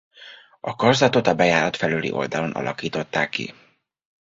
A karzatot a bejárat felőli oldalon alakították ki.